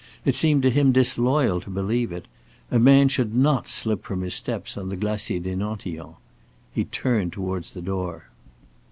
It seemed to him disloyal to believe it. A man should not slip from his steps on the Glacier des Nantillons. He turned toward the door.